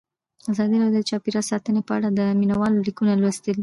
ازادي راډیو د چاپیریال ساتنه په اړه د مینه والو لیکونه لوستي.